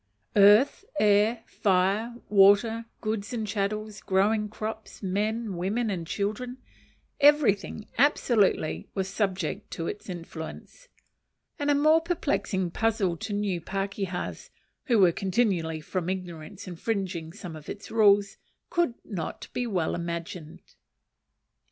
Earth, air, fire, water, goods and chattels, growing crops, men, women, and children, everything, absolutely, was subject to its influence; and a more perplexing puzzle to new pakehas, who were continually from ignorance infringing some of its rules, could not be well imagined.